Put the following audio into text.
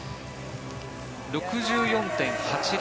６４．８０。